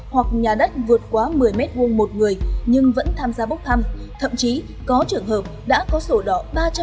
hoặc nhà đất vượt qua một mươi m hai một người nhưng vẫn tham gia bốc thăm thậm chí có trường hợp đã có sổ đỏ